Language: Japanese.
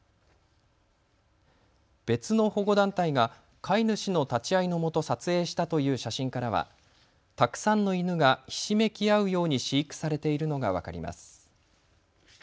別の保護団体が飼い主の立ち合いのもと撮影したという写真からはたくさんの犬がひしめき合うように飼育されているのが分かります。